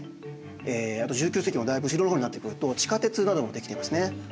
あと１９世紀もだいぶ後ろの方になってくると地下鉄なども出来ていますね。